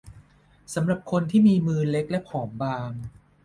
สำหรับคนที่มีมือที่เล็กและผอมบาง